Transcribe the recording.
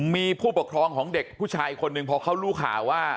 มีผู้ปกครองของเด็กผู้ชายคนหนึ่งพอเขารู้ข่าวว่า